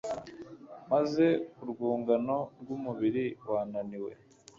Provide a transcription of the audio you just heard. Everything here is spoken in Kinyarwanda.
maze urwungano rwumubiri wananiwe